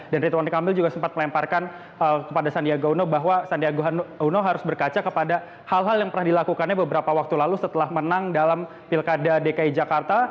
dan ridwan kamil juga sempat melemparkan kepada sandiaga uno bahwa sandiaga uno harus berkaca kepada hal hal yang pernah dilakukannya beberapa waktu lalu setelah menang dalam pilkada dki jakarta